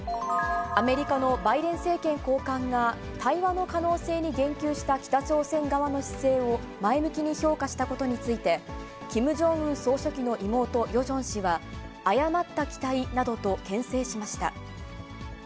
アメリカのバイデン政権高官が、対話の可能性に言及した北朝鮮側の姿勢を前向きに評価したことについて、キム・ジョンウン総書記の妹、ヨジョン氏は、誤った期待などとけん制しました。